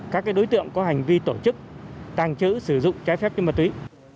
các đối tượng có hành vi tổ chức tàn trữ sử dụng trái phép chất ma túy